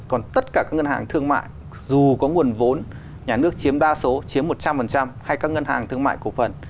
còn tất cả các ngân hàng thương mại dù có nguồn vốn nhà nước chiếm đa số chiếm một trăm linh hay các ngân hàng thương mại cổ phần